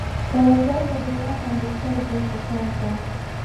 سوالګر ته د رحم سترګې پکار دي